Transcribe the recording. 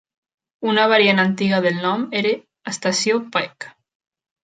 Una variant antiga del nom era estació Pike.